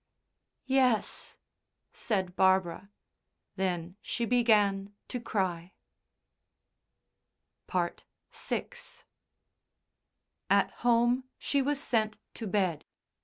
"Yes," said Barbara. Then she began to cry. VI At home she was sent to bed.